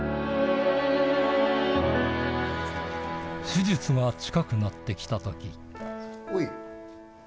手術が近くなって来た時おい。